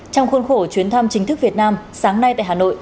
trong khuôn khổ chuyến thăm chính thức việt nam sáng nay tại hà nội